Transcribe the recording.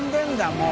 もう。